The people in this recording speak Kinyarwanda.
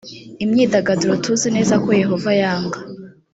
imyidagaduro tuzi neza ko yehova yanga